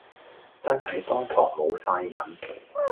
真係當堂無哂癮